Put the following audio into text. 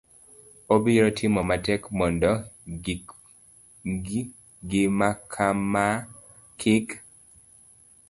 abiro timo matek mondo gimakama kik